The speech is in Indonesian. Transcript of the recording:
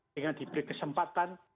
dengan diberi kesempatan